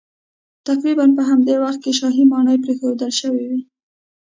تقریبا په همدې وخت کې شاهي ماڼۍ پرېښودل شوې وې